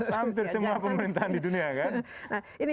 hampir semua pemerintahan di dunia kan